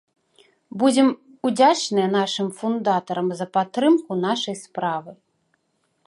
Будзем удзячныя нашым фундатарам за падтрымку нашай справы.